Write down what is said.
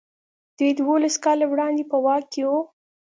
دوی دولس کاله وړاندې په واک کې وو.